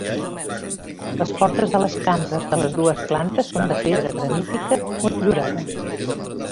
Les portes de les cambres de les dues plantes són de pedra granítica motllurada.